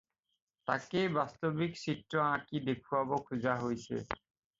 তাকেই বাস্তৱিক চিত্ৰ আঁকি দেখুৱাব খোজা হৈছে।